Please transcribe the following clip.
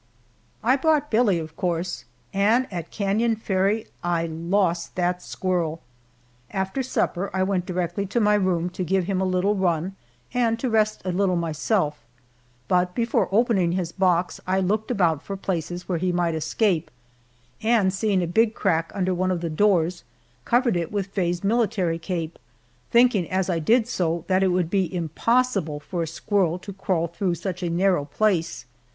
I brought Billie, of course, and at Canon Ferry I lost that squirrel! After supper I went directly to my room to give him a little run and to rest a little myself, but before opening his box I looked about for places where he might escape, and seeing a big crack under one of the doors, covered it with Faye's military cape, thinking, as I did so, that it would be impossible for a squirrel to crawl through such a narrow place.